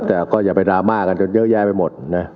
แต่ก็จะไปดราม่ากันจนยื้อแย้วไปหมด